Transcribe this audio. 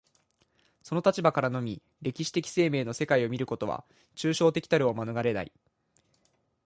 その立場からのみ歴史的生命の世界を見ることは、抽象的たるを免れない。